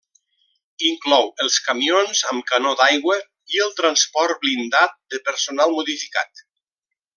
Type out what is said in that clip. Inclou els camions amb canó d'aigua i el transport blindat de personal modificat.